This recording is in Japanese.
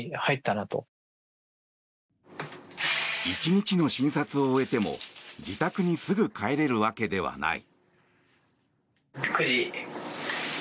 １日の診察を終えても自宅にすぐ帰れるわけではない。